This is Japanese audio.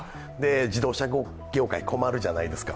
自動車業界、困るじゃないですか。